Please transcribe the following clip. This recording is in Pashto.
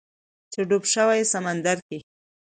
چې ډوب شوی سمندر کې